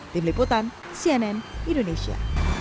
tim liputan cnn indonesia